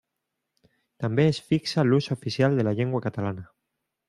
També es fixa l'ús oficial de la llengua catalana.